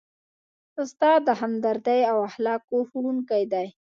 استاد د همدردۍ او اخلاقو ښوونکی دی.